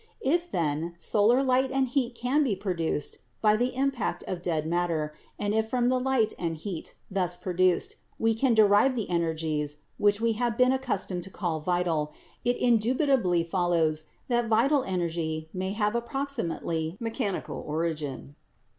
If, then, solar light and heat can be produced by the impact of dead matter, and if from the light and heat thus produced we can derive the energies which we have been accustomed to call vital, it indubitably follows that vital energy may have a proximately mechanical origin.